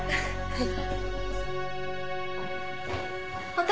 はい。